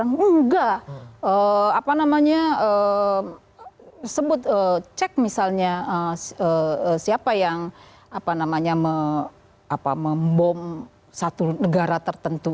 enggak apa namanya sebut cek misalnya siapa yang apa namanya me apa membom satu negara tertentu